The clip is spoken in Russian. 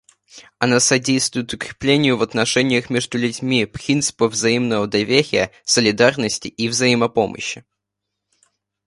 Она содействует укреплению в отношениях между людьми принципов взаимного доверия, солидарности и взаимопомощи.